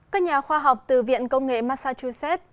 các nhà khoa học từ viện công nghệ massachusetts